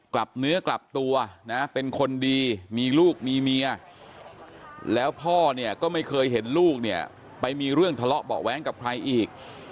กลับเนื้อกลับตัวนะเป็นคนดีมีลูกมีเมียแล้วพ่อเนี่ยก็ไม่เคยเห็นลูกเนี่ยไปมีเรื่องทะเลาะเบาะแว้งกับใครอีก